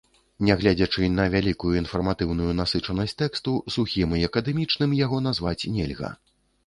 Нягледзячы на вялікую інфарматыўную насычанасць тэксту, сухім і акадэмічным яго назваць нельга.